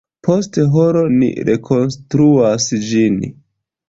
Post horo ni rekonstruas ĝin.